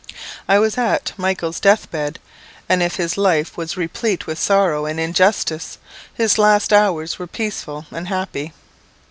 I was at Michael's deathbed; and if his life was replete with sorrow and injustice, his last hours were peaceful and happy."